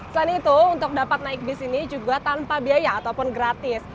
selain itu untuk dapat naik bis ini juga tanpa biaya ataupun gratis